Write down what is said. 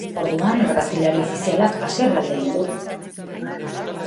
Orduan argazkilari ofizialak haserre alde egiten du.